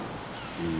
うん。